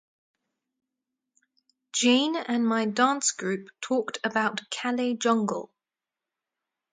Jayne and my dance group talked about Calais Jungle.